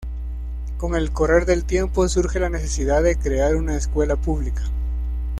Con el correr del tiempo, surge la necesidad de crear una escuela pública.